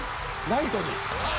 ライトに。